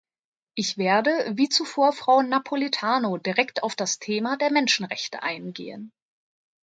Ich werde, wie zuvor Frau Napoletano, direkt auf das Thema der Menschenrechte eingehen.